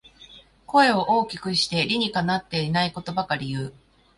声を大きくして理にかなってないことばかり言う